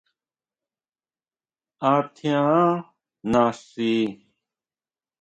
¿A tjián naxi?